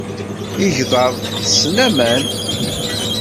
Igḍaḍ ttessen aman.